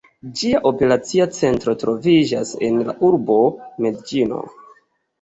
Ĝia operacia centro troviĝas en la urbo Medeĝino.